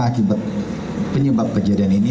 akibat penyebab kejadian ini